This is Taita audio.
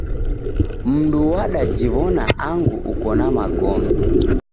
Mundu wadajiw'ona angu ukona magome.